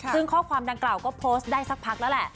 ซึ่งข้อความดังกล่าวก็โพสต์ได้สักพักแล้วแหละ